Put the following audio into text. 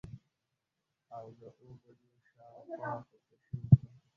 او د اووه بجو شا او خوا خودکشي وکړه.